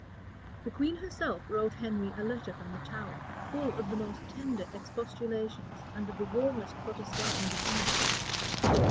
The queen herself wrote Henry a letter from the Tower, full of the most tender expostulations and of the warmest protestations of innocence.